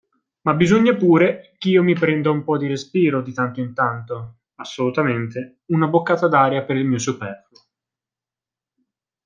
Ma bisogna pure ch'io mi prenda un po' di respiro di tanto in tanto, assolutamente, una boccata d'aria per il mio superfluo.